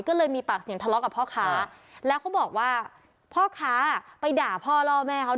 ก็เลยมีปากเสียงทะเลาะกับพ่อค้าแล้วเขาบอกว่าพ่อค้าไปด่าพ่อล่อแม่เขา